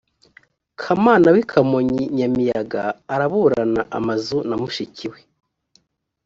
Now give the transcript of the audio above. kamana w’i kamonyi nyamiyaga araburana amazu na mushiki we